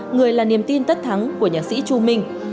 người là niềm tin tất thắng của nhạc sĩ chu minh